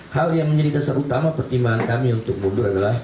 hal yang menjadi dasar utama pertimbangan kami untuk mundur adalah